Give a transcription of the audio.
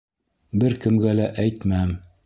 Бер кемгә лә әйтмәм.